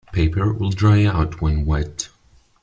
Paper will dry out when wet.